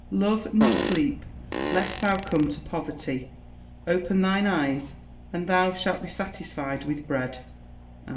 [Verse: "Love not sleep lest thou come to poverty: open thine eyes, and thou shalt be satisfied with bread."